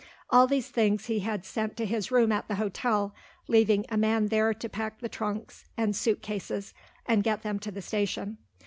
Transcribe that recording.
All these things he had sent to his room at the hotel, leaving a man there to pack the trunks and suit cases, and get them to the station.